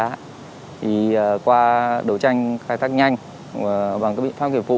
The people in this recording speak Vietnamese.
thì qua đấu tranh khai thác nhanh bằng các biện pháp kiểm phụ